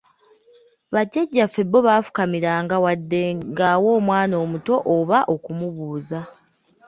Bajjajjaffe bo baafukamiranga wadde ng'awa mwana muto oba okumubuuza.